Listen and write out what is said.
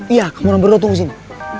iya kamu orang berdua tunggu disini